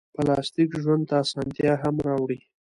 پلاستيک ژوند ته اسانتیا هم راوړي.